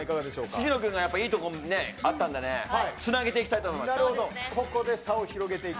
杉野くんがいいところがあったのでつなげていきたいと思います。